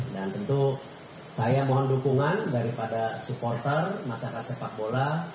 dan tentu saya mohon dukungan daripada supporter masyarakat sepak bola